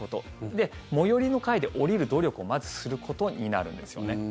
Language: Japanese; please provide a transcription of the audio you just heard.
で、最寄りの階で降りる努力をまずすることになるんですよね。